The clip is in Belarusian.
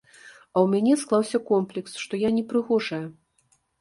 А ў мяне склаўся комплекс, што я непрыгожая.